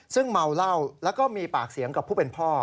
ซึ่งเมาเหล้าแล้วก็มีปากเสียงกับผู้เป็นพ่อ